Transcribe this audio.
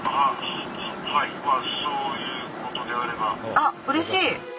あっうれしい！